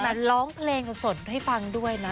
แต่ร้องเพลงสดให้ฟังด้วยนะ